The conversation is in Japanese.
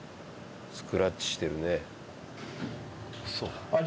スクラッチしてるね。